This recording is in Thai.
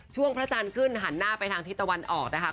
พระจันทร์ขึ้นหันหน้าไปทางทิศตะวันออกนะคะ